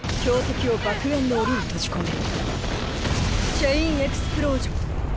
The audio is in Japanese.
「チェイン・エクスプロージョン」！